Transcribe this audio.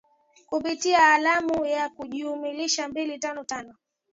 kupitia alamu ya kujumulisha mbili tano tano